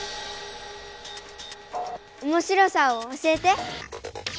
おもしろさを教えて。